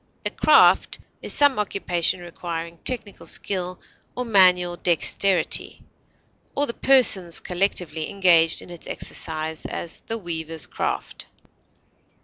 A craft is some occupation requiring technical skill or manual dexterity, or the persons, collectively, engaged in its exercise; as, the weaver's craft.